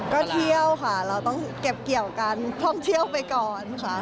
ก็เที่ยวค่ะเราต้องเก็บเกี่ยวการท่องเที่ยวไปก่อนค่ะ